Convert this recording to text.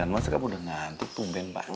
masa kamu udah ngantik pumben banget